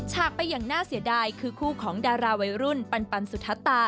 ให้เธอได้พบรักเธอพบคนที่ดี